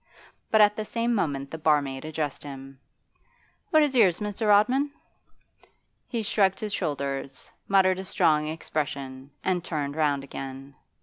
But at the same moment the barmaid addressed him. 'What is yours, Mr. Rodman?' He shrugged his shoulders, muttered a strong expression, and turned round again.